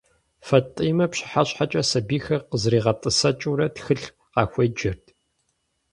Фэтӏимэ, пщыхьэщхьэкӏэ сэбийхэр къызригъэтӏысэкӏыурэ тхылъ къахуеджэрт.